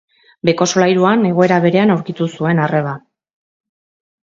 Beheko solairuan egoera berean aurkitu zuen arreba.